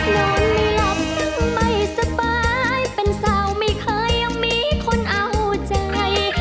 โดนไม่หลับยังไม่สบายเป็นสาวไม่เคยยังมีคนเอาใจ